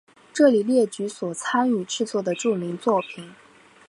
这里列举所参与制作的著名作品。